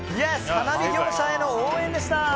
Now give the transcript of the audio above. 花火業者への応援でした。